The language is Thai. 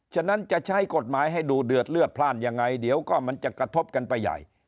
ฉะนั้นจะใช้กฎหมายให้ดูเดือดเลือดพลาดยังไงเดี๋ยวก็มันจะกระทบกันไปใหญ่